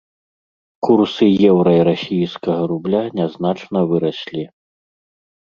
Курсы еўра і расійскага рубля нязначна выраслі.